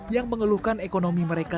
yang mengeluhkan ekonomi mereka